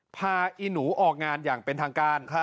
อีหนูออกงานอย่างเป็นทางการ